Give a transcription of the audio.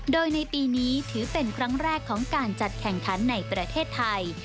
โดยในปีนี้ถือเป็นครั้งแรกของการจัดแข่งขันในประเทศไทย